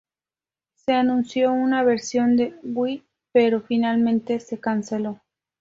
Se anunció una versión de Wii, pero finalmente se canceló.